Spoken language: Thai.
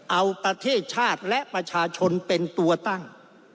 เอาประเทศชาติและประชาชนเป็นตัวตั้ง